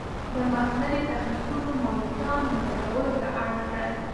پرمختللي تخنیکونه ماموتان ویده کولو ته اړ کړل.